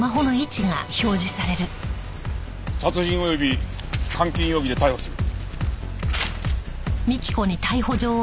殺人及び監禁容疑で逮捕する。